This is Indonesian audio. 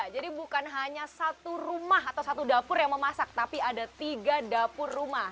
jadi bukan hanya satu rumah atau satu dapur yang memasak tapi ada tiga dapur rumah